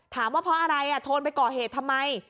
ว่าเพราะอะไรโทนไปก่อเหตุทำไม